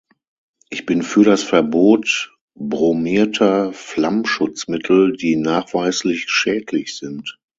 Ich bin für das Verbot bromierter Flammschutzmittel, die nachweislich schädlich sind.